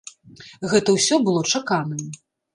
Гэта ўсё было чаканым.